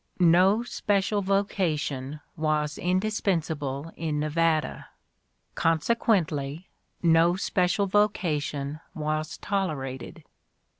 No special vocation was indispensable in Nevada; conse quently, no special vocation was tolerated.